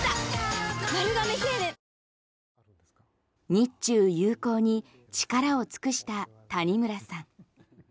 日中友好に力を尽くした谷村さん。